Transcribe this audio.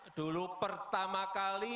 saya ingat dulu pertama kali